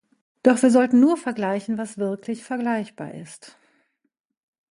Doch wir sollten nur vergleichen, was wirklich vergleichbar ist.